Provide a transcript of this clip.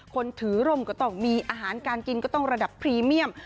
คนถือร่มก็ต้องมีอาหารการกินก็ต้องระดับพรีเมียม